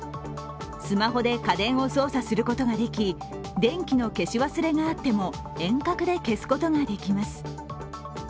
スマホで家電を操作することができ、電気の消し忘れがあっても遠隔で消すことができます。